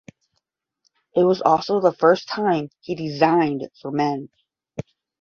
It was also the first time he designed for men.